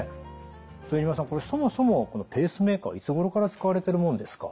副島さんこれそもそもこのペースメーカーはいつごろから使われてるものですか？